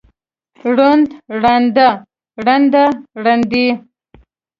ړوند، ړانده، ړنده، ړندې.